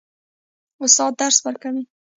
استاد درس ورکوي.